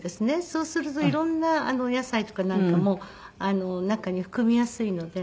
そうすると色んなお野菜とかなんかも中に含みやすいので。